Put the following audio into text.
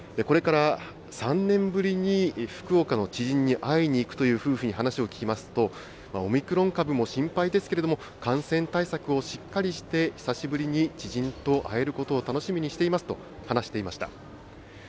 これから３年ぶりに福岡の知人に会いに行くという夫婦に話を聞きますと、オミクロン株も心配ですけれども、感染対策をしっかりして、久しぶりに知人と会えることを楽しみにしていますと話していました。